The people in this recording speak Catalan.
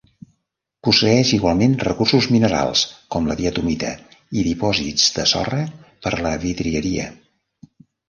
Posseeix igualment recursos minerals, com la diatomita, i dipòsits de sorra per a la vidrieria.